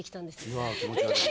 うわ気持ち悪い。